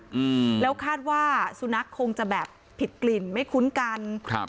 อืมแล้วคาดว่าสุนัขคงจะแบบผิดกลิ่นไม่คุ้นกันครับ